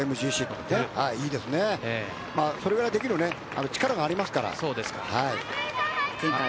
そのぐらいはできる力があります。